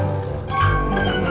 gak ada apa apa